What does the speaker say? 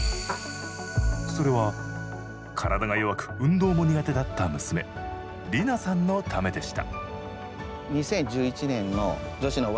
それは、体が弱く運動も苦手だった娘里南さんのためでした。